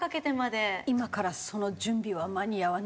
今からその準備は間に合わないと思います。